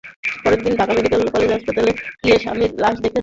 পরের দিন Dhaka medical college হাসপাতালে গিয়ে স্বামীর লাশ দেখতে পান।